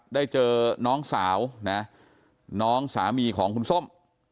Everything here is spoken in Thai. ได้เจอน้องสาวนะน้องสามีของคุณส้ม